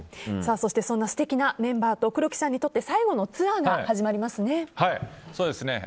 そして、素敵なメンバーと黒木さんにとって最後のツアーが始まりますね。